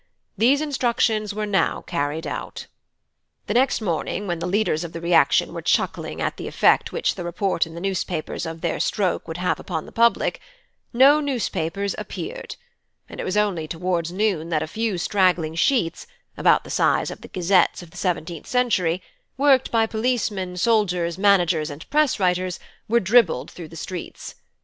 These instructions were now carried out. "The next morning, when the leaders of the reaction were chuckling at the effect which the report in the newspapers of their stroke would have upon the public no newspapers appeared; and it was only towards noon that a few straggling sheets, about the size of the gazettes of the seventeenth century, worked by policemen, soldiers, managers, and press writers, were dribbled through the streets.